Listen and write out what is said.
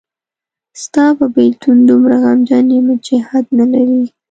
ستاپه بیلتون دومره غمجن یمه چی حد نلری.